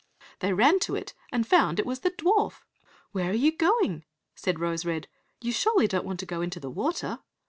They ran to it and found it was the dwarf. "Where are you going?" said Rose red; "you surely don't want to go into the water?"